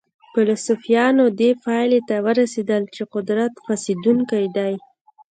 فلسفیانو دې پایلې ته ورسېدل چې قدرت فاسدونکی دی.